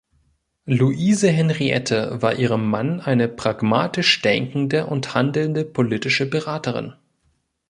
Luise Henriette war ihrem Mann „eine pragmatisch denkende und handelnde politische Beraterin.